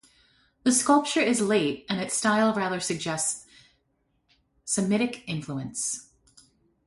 The sculpture is late and its style rather suggests Semitic influence.